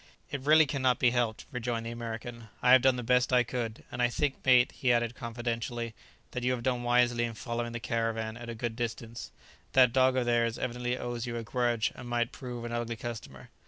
"It really cannot be helped," rejoined the American; "I have done the best I could; and I think, mate," he added confidentially, "that you have done wisely in following the caravan at a good distance; that dog of theirs evidently owes you a grudge, and might prove an ugly customer."